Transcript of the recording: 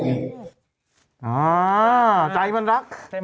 อ่าใจมันรัก